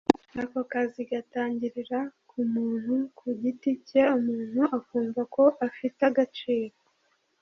ako kazi gatangirira ku muntu ku giti cye umuntu akumva ko afite agaciro